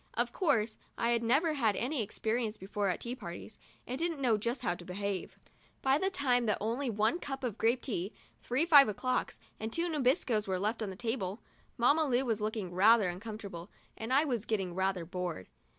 Of course, I had never had any experience before at tea parties, and didn't know just how to behave. By the time that only one little cup of grape tea, three five o'clocks and two Nabiscos were left on the table, Mamma Lu was looking rather uncomfortable and I was getting rather bored.